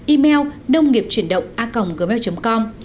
email nông nghiệp truyền động a gmail com